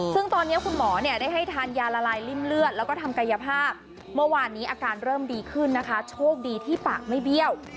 ซึ่งตอนนี้คุณหมอเนี่ยได้ให้ทานยาละลายริ่มเลือดแล้วก็ทำกายภาพเมื่อวานนี้อาการเริ่มดีขึ้นนะคะโชคดีที่ปากไม่เบี้ยว